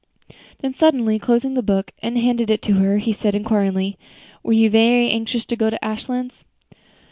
Then suddenly closing the book and handing it to her, he said, inquiringly, "You were very anxious to go to Ashlands?"